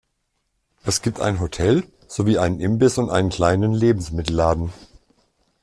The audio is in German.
Es gibt ein Hotel sowie einen Imbiss und einen kleinen Lebensmittelladen.